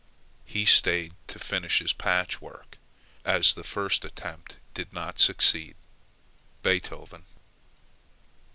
He stayed to finish his patchwork, as the first attempt did not succeed. BEETHOVEN.